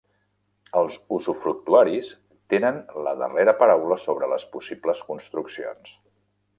Els usufructuaris tenen la darrera paraula sobre les possibles construccions.